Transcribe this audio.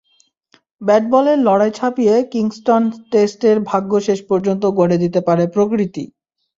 ব্যাট-বলের লড়াই ছাপিয়ে কিংস্টন টেস্টের ভাগ্য শেষ পর্যন্ত গড়ে দিতে পারে প্রকৃতি।